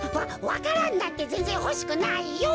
わわか蘭なんてぜんぜんほしくないよ。